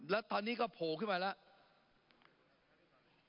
แล้วตอนนี้ก็โผล่ขึ้นมาแล้ว